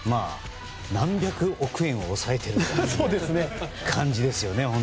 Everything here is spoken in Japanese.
何百億円を抑えているという感じですよね。